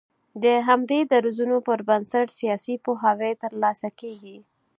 د همدې درځونو پر بنسټ سياسي پوهاوی تر لاسه کېږي